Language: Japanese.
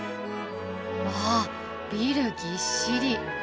わっビルぎっしり。